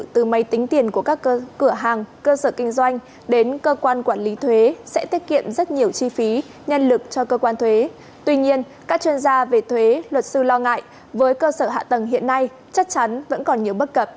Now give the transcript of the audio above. hãy đăng ký kênh để ủng hộ kênh của chúng mình nhé